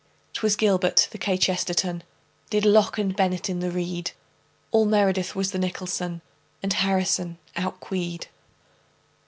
'Twas gilbert. The kchesterton Did locke and bennett in the reed. All meredith was the nicholson, And harrison outqueed.